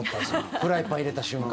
フライパンに入れた瞬間。